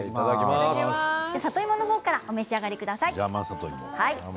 里芋の方から召し上がりください。